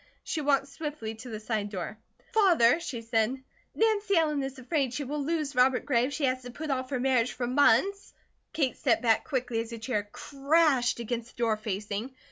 She walked swiftly to the side door. "Father," she said, "Nancy Ellen is afraid she will lose Robert Gray if she has to put off her marriage for months " Kate stepped back quickly as a chair crashed against the door facing.